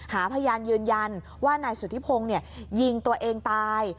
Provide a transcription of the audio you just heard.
หาพยานยืนยันว่านายสุธิพงศ์ยิงตัวเองตาย